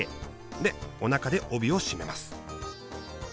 でおなかで帯を締めます。